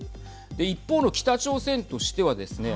一方の北朝鮮としてはですね